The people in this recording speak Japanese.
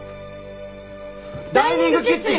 「ダイニングキッチン」！